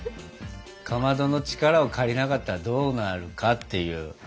かまどの力を借りなかったらどうなるかっていう。